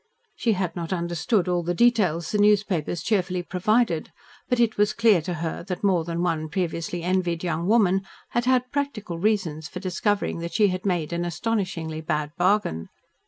She had not understood all the details the newspapers cheerfully provided, but it was clear to her that more than one previously envied young woman had had practical reasons for discovering that she had made an astonishingly bad bargain.